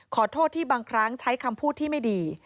ขอโทษที่บางครั้งใช้คำพูดที่ไม่ดี